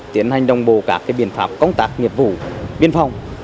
tiến hành đồng bộ các biện pháp công tác nghiệp vụ biên phòng